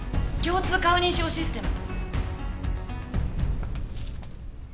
共通顔認証システム！